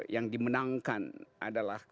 yang dimenangkan adalah